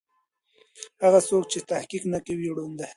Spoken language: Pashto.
هغه څوک چې تحقيق نه کوي ړوند دی.